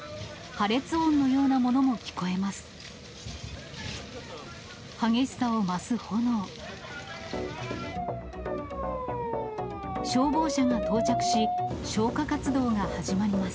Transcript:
破裂音のようなものも聞こえます。